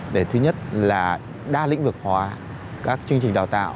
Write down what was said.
để thứ nhất là đa lĩnh vực hóa các chương trình đào tạo